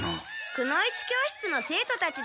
くの一教室の生徒たちです。